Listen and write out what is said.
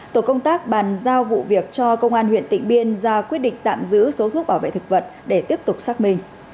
tổ công tác bàn giao vụ việc cho công an huyện tịnh biên ra quyết định tạm giữ số thuốc bảo vệ thực vật để tiếp tục xác minh